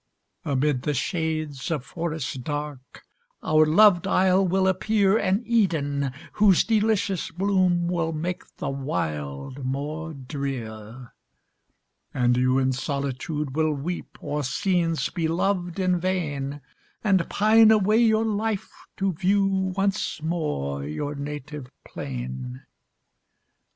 Amid the shades of forests dark, Our loved isle will appear An Eden, whose delicious bloom Will make the wild more drear. And you in solitude will weep O'er scenes beloved in vain, And pine away your life to view Once more your native plain.